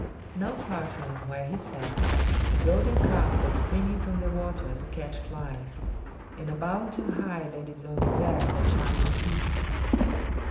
Not far from where he sat, a golden carp was springing from the water to catch flies, and a bound too high landed it on the grass at Charming's feet.